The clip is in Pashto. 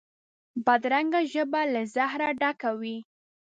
بدرنګه ژبه له زهره ډکه وي